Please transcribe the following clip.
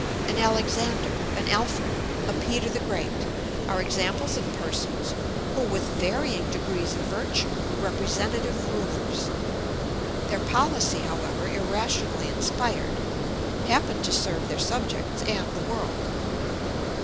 An Alexander, an Alfred, a Peter the Great, are examples of persons who with varying degrees of virtue were representative rulers: their policy, however irrationally inspired, happened to serve their subjects and the world.